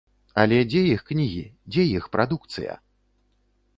Але дзе іх кнігі, дзе іх прадукцыя?!